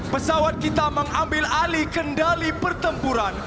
pesawat kita mengambil alih kendali pertempuran